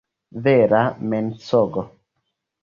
Vera mensogo.